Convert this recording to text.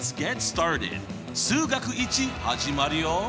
「数学Ⅰ」始まるよ！